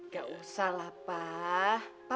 gak usah pak